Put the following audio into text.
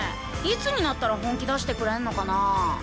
いつになったら本気出してくれんのかな？